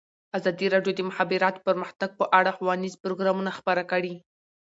ازادي راډیو د د مخابراتو پرمختګ په اړه ښوونیز پروګرامونه خپاره کړي.